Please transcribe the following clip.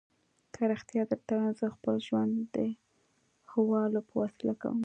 که رښتیا درته ووایم، زه خپل ژوند د حوالو په وسیله کوم.